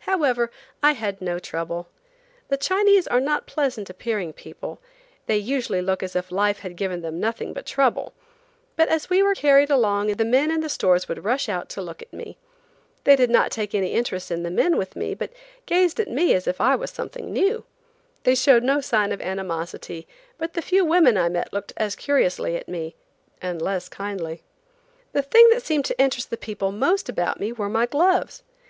However, I had no trouble. The Chinese are not pleasant appearing people; they usually look as if life had given them nothing but trouble; but as we were carried along the men in the stores would rush out to look at me. They did not take any interest in the men with me, but gazed at me as if I was something new. They showed no sign of animosity, but the few women I met looked as curiously at me, and less kindly. The thing that seemed to interest the people most about me were my gloves.